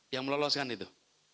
yang meloloskan itu